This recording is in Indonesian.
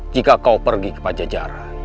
jika kau pergi ke paja jaran